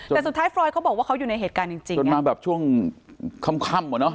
แต่สุดท้ายฟรอยเขาบอกว่าเขาอยู่ในเหตุการณ์จริงจริงจนมาแบบช่วงค่ำค่ำอะเนาะ